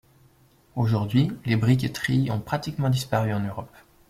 Aujourd'hui, les briqueteries ont pratiquement disparu en Europe.